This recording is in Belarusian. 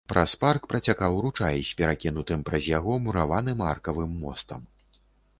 Праз парк працякаў ручай з перакінутым праз яго мураваным аркавым мостам.